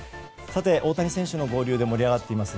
大谷選手の合流で盛り上がっています